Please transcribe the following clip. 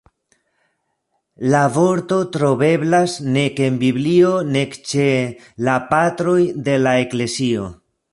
La vorto troveblas nek en Biblio nek ĉe "la Patroj de la Eklezio".